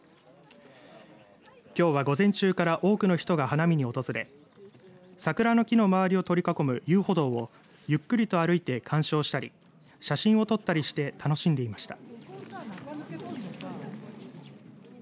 きょうは午前中から多くの人が花見に訪れ桜の木の周りを取り囲む遊歩道をゆっくりと歩いて鑑賞したり写真を撮ったりして楽しんでいました。